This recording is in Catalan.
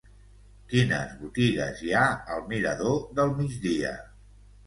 Quines botigues hi ha al mirador del Migdia?